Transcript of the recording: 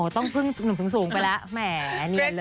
อ๋อต้องพึ่งสูงไปละแหมเนียนเลย